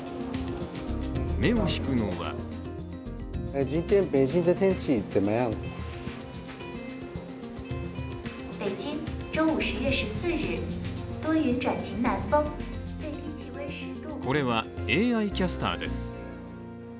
目を引くのはこれはＡＩキャスターです。